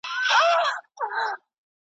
پاچاهان را ته بخښي لوی جاګیرونه .